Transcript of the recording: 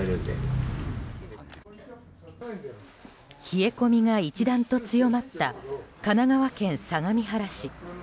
冷え込みが一段と強まった神奈川県相模原市。